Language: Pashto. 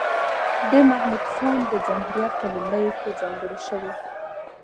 د محمد داود خان د جمهوریت په لومړیو کې ځانګړې شوه.